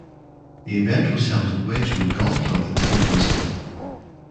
The event was held at Wedgewood Golf Club in Port Elizabeth.